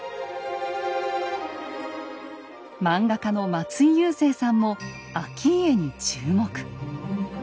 漫画家の松井優征さんも顕家に注目。